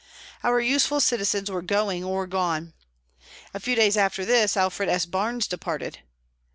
Our useful citizens were going or gone. A few days after this Alfred S. Barnes departed.